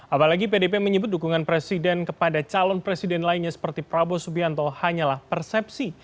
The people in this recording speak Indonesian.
apalagi pdp menyebut dukungan presiden kepada calon presiden lainnya seperti prabowo subianto hanyalah persepsi